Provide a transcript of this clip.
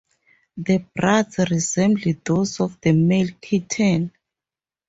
The bracts resemble those of the male kitten.